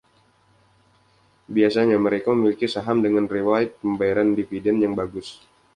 Biasanya mereka memiliki saham dengan riwayat pembayaran dividen yang bagus.